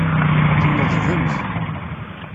Tneḍbemt.